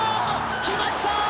決まった！